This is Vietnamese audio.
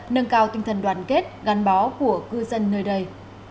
nâng cao tinh thần đoàn kết gắn bó của cư dân nơi đây